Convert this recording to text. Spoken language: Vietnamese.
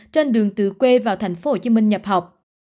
trên đường từ quê vào tp hcm nhập học